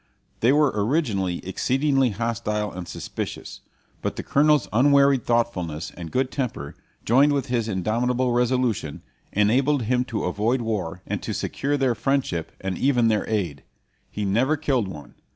They were originally exceedingly hostile and suspicious, but the colonel's unwearied thoughtfulness and good temper, joined with his indomitable resolution, enabled him to avoid war and to secure their friendship and even their aid. He never killed one.